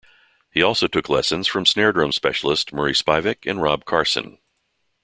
He also took lessons from snare drum specialist Murray Spivack and Rob Carson.